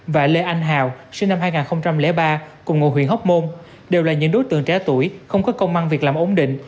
và lê anh hào cùng ngôi huyện hóc môn đều là những đối tượng trẻ tuổi không có công ăn việc làm ổn định